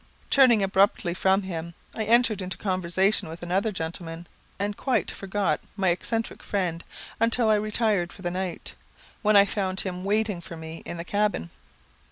Turning abruptly from him, I entered into conversation with another gentleman, and quite forgot my eccentric friend until I retired for the night, when I found him waiting for me in the cabin.